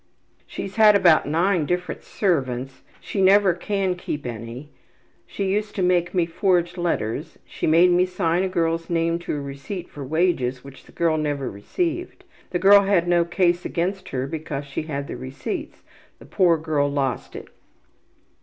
``She's had about nine different servants. She never can keep any. She used to make me forge letters. She made me sign a girl's name to a receipt for wages which the girl never received. The girl had no case against her because she had the receipts. The poor girl lost it.